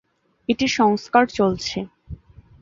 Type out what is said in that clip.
এটির সংস্কার চলছে।